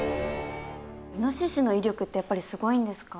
イノシシの威力ってやっぱりすごいんですか？